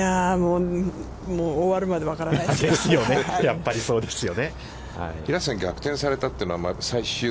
終わるまで分からないですよ。